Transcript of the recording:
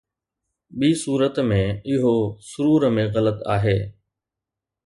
ٻي صورت ۾، اهو سرور ۾ غلط آهي